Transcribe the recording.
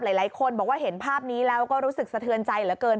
หลายคนบอกว่าเห็นภาพนี้แล้วก็รู้สึกสะเทือนใจเหลือเกิน